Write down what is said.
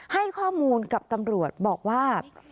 ให้ข้อมูลกับตำรวจบอกว่า